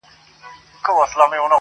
یو وژل کیږي بل یې په سیل ځي -